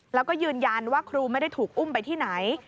แล้วก็ยืนยันว่าครูไม่ได้ถูกอุ้มไปที่ไหน